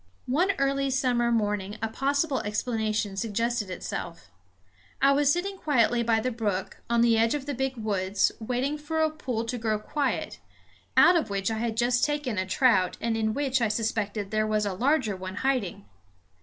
One early summer morning a possible explanation suggested itself. I was sitting quietly by the brook, on the edge of the big woods, waiting for a pool to grow quiet, out of which I had just taken a trout and in which I suspected there was a larger one hiding.